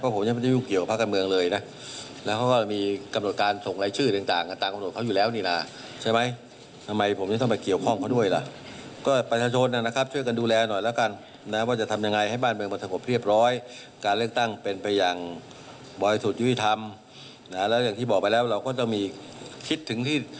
บ่อยสุดยุทธรรมแล้วอย่างที่บอกไปแล้วเราก็จะมีคิดถึงที่